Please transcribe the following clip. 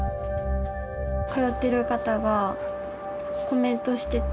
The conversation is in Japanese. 通っている方がコメントしていた。